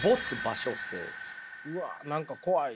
うわっ何か怖い。